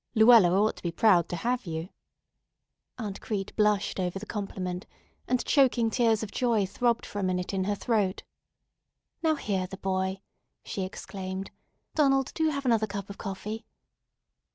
Luella ought to be proud to have you." Aunt Crete blushed over the compliment, and choking tears of joy throbbed for a minute in her throat. "Now hear the boy!" she exclaimed. "Donald, do have another cup of coffee."